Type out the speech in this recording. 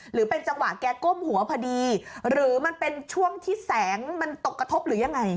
หรือเป็นจังหวะแกก้มหัวพอดีหรือมันเป็นช่วงที่แสงมันตกกระทบหรือยังไง